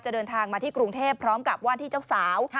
เดินทางมาที่กรุงเทพพร้อมกับว่าที่เจ้าสาว